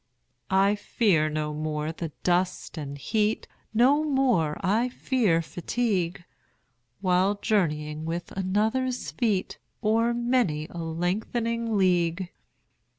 I fear no more the dust and heat, 25 No more I fear fatigue, While journeying with another's feet O'er many a lengthening league.